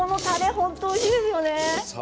本当においしいですよね。